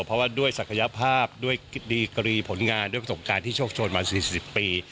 เพราะว่าด้วยศักยภาพด้วยดีกรีผลงานด้วยประสบการณ์ที่โชคโชนมา๔๐ปี